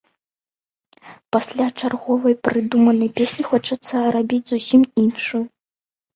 Пасля чарговай прыдуманай песні хочацца рабіць зусім іншую.